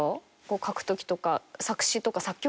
書くときとか。